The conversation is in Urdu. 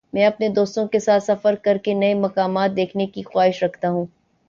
میں اپنے دوستوں کے ساتھ سفر کر کے نئی مقامات دیکھنے کی خواہش رکھتا ہوں۔